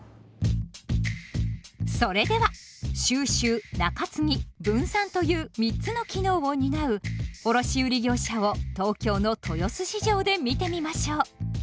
それでは収集・仲継・分散という三つの機能を担う卸売業者を東京の豊洲市場で見てみましょう。